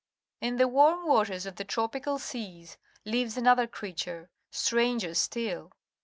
In the warm waters of the tropical seas lives another creature, stranger still.